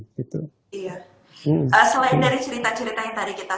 selain dari cerita cerita yang tadi kita